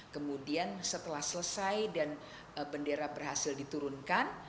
kemudian setelah selesai dan bendera berhasil diturunkan